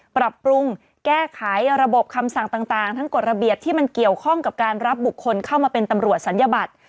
ปรับปรุงแก้ไขระบบคำสั่งต่างทั้งกฎระเบียบที่มันเกี่ยวข้องกับการรับบุคคลเข้ามาเป็นตำรวจศัลยบัตร